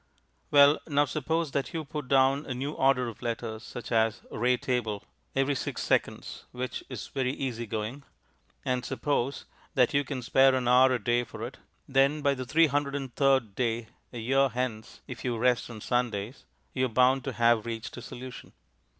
Well, now suppose that you put down a new order of letters such as "raytable" every six seconds, which is very easy going, and suppose that you can spare an hour a day for it; then by the 303rd day a year hence, if you rest on Sundays you are bound to have reached a solution.